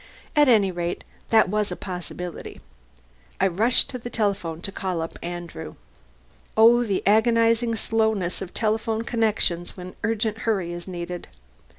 At any rate, that was a possibility. I rushed to the telephone to call up Andrew. Oh! the agonizing slowness of telephone connections when urgent hurry is needed!